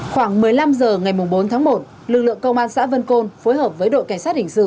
khoảng một mươi năm h ngày bốn tháng một lực lượng công an xã vân côn phối hợp với đội cảnh sát hình sự